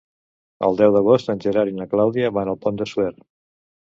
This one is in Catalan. El deu d'agost en Gerard i na Clàudia van al Pont de Suert.